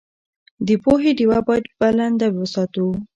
د پوهې ډېوه باید بلنده وساتو.